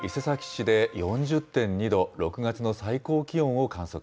市で、４０．２度、６月の最高気温を観測。